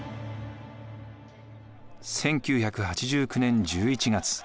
１９８９年１１月。